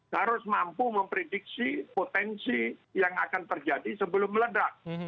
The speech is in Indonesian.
harus mampu memprediksi potensi yang akan terjadi sebelum meledak